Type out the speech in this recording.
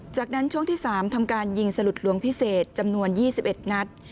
จากนั้นช่วงที่๓ทำการยิงสลุดหลวงพิเศษจำนวน๒๑นัด